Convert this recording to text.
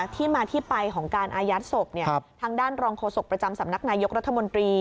ที่มาที่ไปของการอายัดศพทางด้านรองโฆษกประจำสำนักนายกรัฐมนตรี